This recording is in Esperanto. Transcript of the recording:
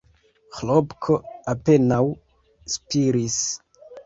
Ĥlopko apenaŭ spiris.